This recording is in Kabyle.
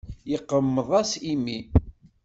Yeqmeḍ-as imi.